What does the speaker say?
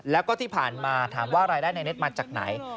แล้วก็ที่ผ่านมาถามว่ารายได้ในเน็ตมาจากไหน